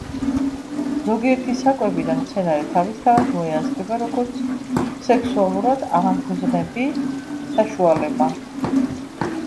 ზოგიერთი საკვები და მცენარე თავისთავად მოიაზრება, როგორც სექსუალურად აღმგზნები საშუალება.